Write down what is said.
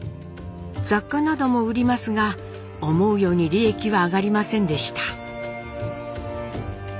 雑貨なども売りますが思うように利益は上がりませんでした。